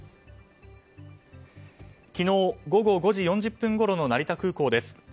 昨日午後５時４０分ごろの成田空港です。